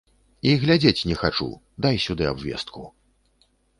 І глядзець не хачу, дай сюды абвестку.